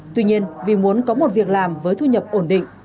tuy nhiên vì muốn có một việc làm với thu nhập ổn định